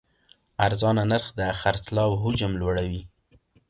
ارزانه نرخ د خرڅلاو حجم لوړوي.